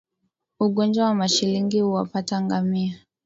Ugonjwa wa mashilingi huwapata ngamia